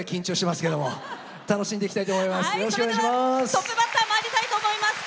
トップバッターまいりたいと思います。